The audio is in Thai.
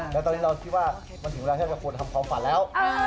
แล้วตอนนี้เราคิดว่ามันถึงเวลาที่เราควรทำความฝันแล้ว